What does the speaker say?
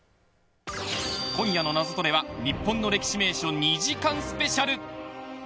今夜のナゾトレは日本の歴史名所２時間スペシャル。